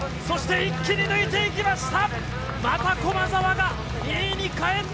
そして一気に抜いていきました。